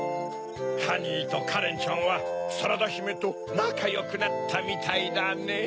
ハニーとカレンちゃんはサラダひめとなかよくなったみたいだねぇ。